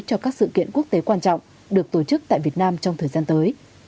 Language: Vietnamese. cho các sự kiện quốc tế quan trọng được tổ chức tại việt nam trong thời gian tới